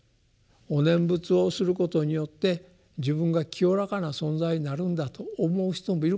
お念仏をすることによって自分が清らかな存在になるんだと思う人もいるかもしれない。